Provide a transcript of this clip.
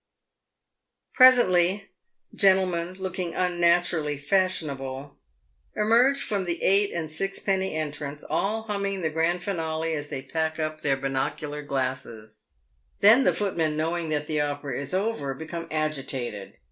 Presently, gentlemen looking unnaturally fashionable, emerge from the eight and sixpenny entrance, all humming the grand finale as they pack up their binocular glasses. Then the footmen knowing that the opera is over, become agitated.